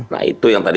nah itu yang tadi